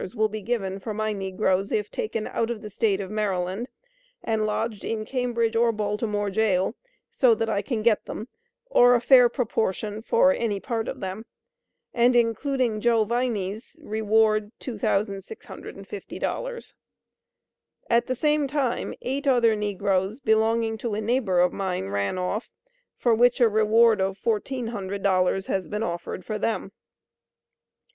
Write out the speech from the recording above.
will be given for my negroes if taken out of the State of Maryland and lodged in Cambridge or Baltimore Jail, so that I can get them or a fair proportion for any part of them. And including Joe Viney's reward $2650.00. At the same time eight other negroes belonging to a neighbor of mine ran off, for which a reward of $1400.00 has been offered for them.